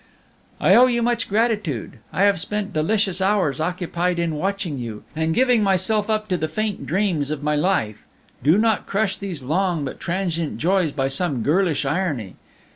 "I owe you much gratitude: I have spent delicious hours occupied in watching you, and giving myself up to the faint dreams of my life; do not crush these long but transient joys by some girlish irony.